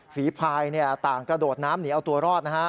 ฝีพายต่างกระโดดน้ำหนีเอาตัวรอดนะฮะ